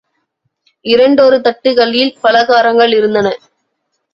இரண்டொரு தட்டுகளில் பலகாரங்கள் இருந்தன.